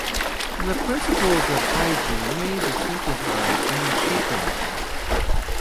The principles of hygiene may be simplified and cheapened.